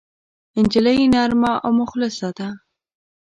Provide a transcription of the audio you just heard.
نجلۍ نرمه او مخلصه ده.